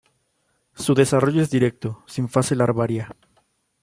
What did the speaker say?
Su desarrollo es directo, sin fase larvaria.